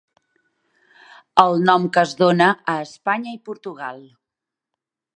el nom que es dona a Espanya i Portugal